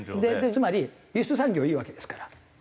つまり輸出産業はいいわけですから。